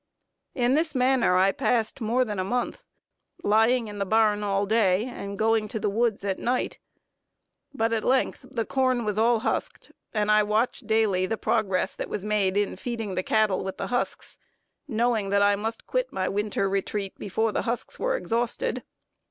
In this manner I passed more than a month, lying in the barn all day, and going to the woods at night; but at length the corn was all husked, and I watched daily the progress that was made in feeding the cattle with the husks, knowing that I must quit my winter retreat before the husks were exhausted.